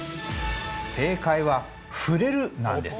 正解は「触れる」なんです。